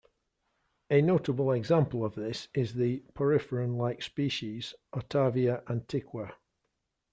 A notable example of this is the poriferan-like species "Otavia antiqua".